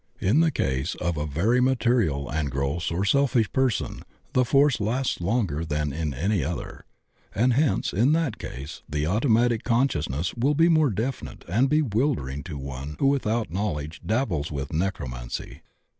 In the case of a very material and gross or selfish person the force lasts longer than in any other, and hence in that case the automatic consciousness will be more definite and bewildering to one who with out knowledge dabbles with necromancy.